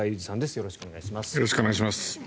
よろしくお願いします。